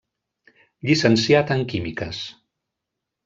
Llicenciat en Químiques.